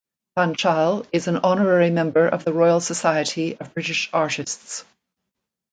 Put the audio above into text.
Panchal is an Honorary Member of the Royal Society of British Artists.